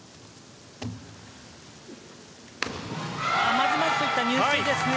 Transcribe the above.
まずまずといった入水ですね。